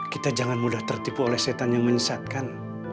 kita jangan mudah tertipu oleh setan yang menyesatkan